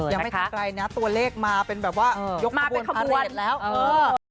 ยังไม่ทั้งไกลนะตัวเลขมาเป็นแบบว่ายกข้อบนพระเร็จแล้วเออ